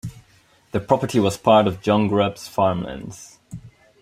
The property was part of John Grubb's farmlands.